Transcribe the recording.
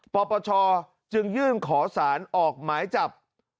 ปปชจึงยื่นขอสารออกหมายจับ